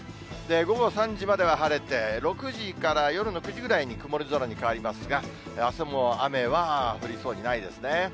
午後３時までは晴れて、６時から夜の９時ぐらいに曇り空に変わりますが、あすも雨は降りそうにないですね。